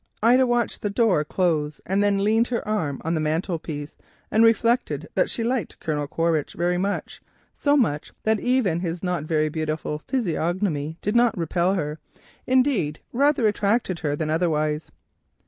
Ida watched the door close and then leant her arm on the mantelpiece, and reflected that she liked Colonel Quaritch very much, so much that even his not very beautiful physiognomy did not repel her, indeed rather attracted her than otherwise.